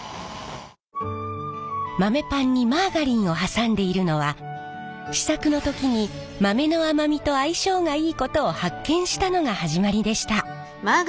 豆パンにマーガリンを挟んでいるのは試作の時に豆の甘みと相性がいいことを発見したのが始まりでした。